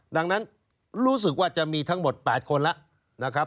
ดังนั้นรู้สึกว่าจะมีทั้งหมด๘คนแล้วนะครับ